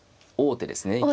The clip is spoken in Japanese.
王手ですね